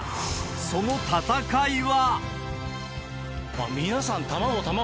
その戦いは。